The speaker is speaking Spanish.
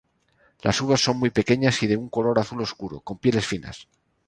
Las uvas son muy pequeñas y de un color azul oscuro, con pieles finas.